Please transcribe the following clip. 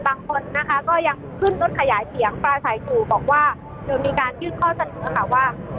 บางคนนะคะก็ยังขึ้นรถขยายเสียงปลาใสอยู่บอกว่าจะมีการยื่นข้อเสนอค่ะว่า